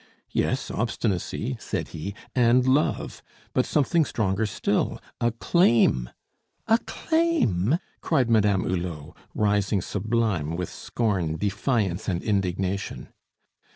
"Yes, obstinacy," said he, "and love; but something stronger still a claim " "A claim!" cried Madame Hulot, rising sublime with scorn, defiance, and indignation.